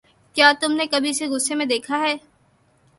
کیا تم نے کبھی اسے غصے میں دیکھا ہے؟